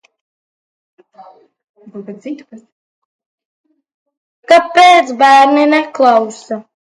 Bet pirms pārēju uz jauno vēl pāris vārdi par veco.